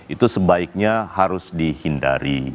itu sebaiknya harus dihindari